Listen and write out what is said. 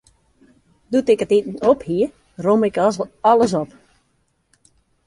Doe't ik it iten op hie, romme ik alles op.